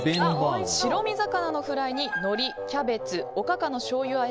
白身魚のフライにのり、キャベツおかかのしょうゆあ